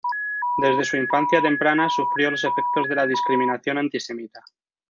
Desde su infancia temprana sufrió los efectos de la discriminación anti-semita.